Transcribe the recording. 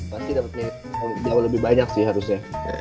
pasti dapetnya jawa lebih banyak sih harusnya